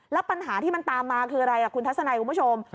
แล้วปัญหาที่มันตามมาคืออะไรคุณทัศนัยคุณผู้ชม